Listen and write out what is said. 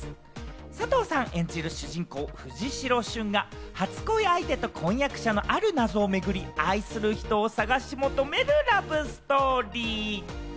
佐藤さん演じる主人公・藤代俊が初恋相手と婚約者のある謎を巡り、愛する人を探し求めるラブストーリー。